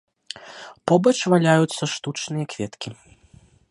Побач валяюцца штучныя кветкі.